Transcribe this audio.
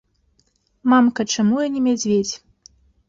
Мамка, чаму я не мядзведзь?